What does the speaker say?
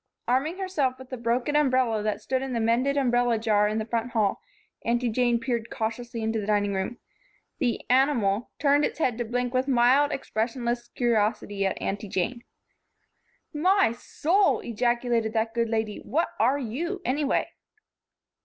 Arming herself with the broken umbrella that stood in the mended umbrella jar in the front hall, Aunty Jane peered cautiously into the dining room. The "animal" turned its head to blink with mild, expressionless curiosity at Aunty Jane. "My soul!" ejaculated that good lady, "what are you, anyway?"